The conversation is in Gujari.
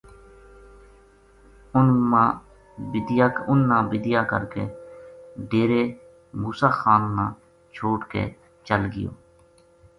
اُنھ با بِدیا کر کے ڈیرے موسیٰ خان نا چھوڈ کے چل گیو